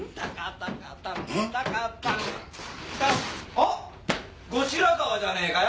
おっ後白河じゃねえかよ！